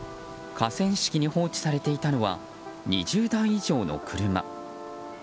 河川敷に放置されていたのは２０台以上の車。